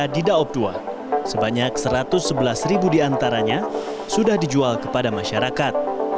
di daob dua sebanyak satu ratus sebelas ribu diantaranya sudah dijual kepada masyarakat